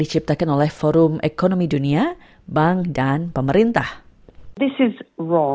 sebenarnya menurut penelitian universitas canberra